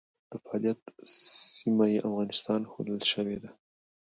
د فعالیت سیمه یې افغانستان ښودل شوې ده.